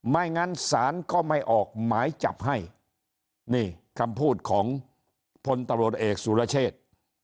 ไม่งั้นศาลก็ไม่ออกหมายจับให้นี่คำพูดของพลตำรวจเอกสุรเชษ